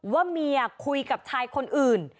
ว่าเมียคุยกับชายคนอื่น